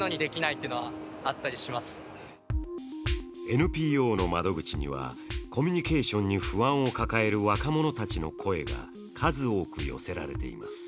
ＮＰＯの窓口にはコミュニケーションに不安を抱える若者たちの声が数多く寄せられています。